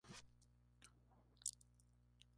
Además es practicante de triatlón.